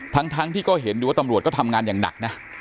ทั้งที่ก็เห็นอยู่ว่าตำรวจก็ทำงานอย่างหนักนะ